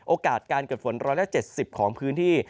โอกาสการเกิดฝน๑๗๐ของพื้นที่